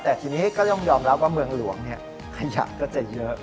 แต่ทีนี้ก็ย่อมรับว่าเมืองหลวงเนี่ยหยัดก็จะเยอะ